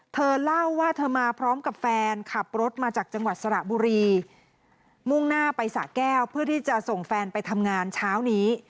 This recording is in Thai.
เธอเล่าว่าเธอมาพร้อมกับแฟนขับรถมาจากจังหวัดสระบุรีมุ่งหน้าไปสะแก้วเพื่อที่จะส่งแฟนไปทำงานเช้านี้